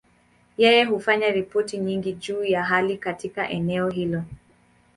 Yeye hufanya ripoti nyingi juu ya hali katika eneo hili.